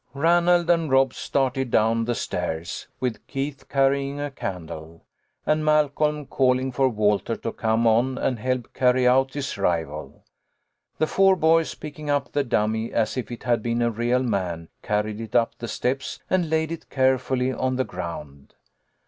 Ranald and Rob started down the stairs, with Keith carrying a candle, and Malcolm calling for Walter to come on and help carry out his rival. The four boys, picking up the dummy as if it had been a real man, carried it up the steps and laid it carefully on the ground.